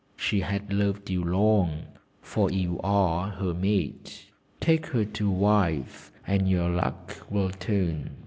She has loved you long, for you are her mate. Take her to wife, and your luck will turn.'